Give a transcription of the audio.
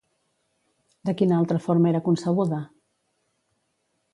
De quina altra forma era concebuda?